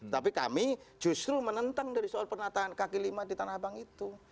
tapi kami justru menentang dari soal penataan kaki lima di tanah abang itu